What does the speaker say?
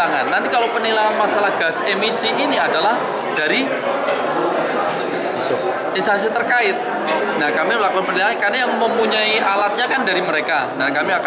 untuk yang uji emisi lagi pak balik itu efektifnya kapan pak